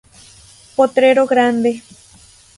Potrero Grande.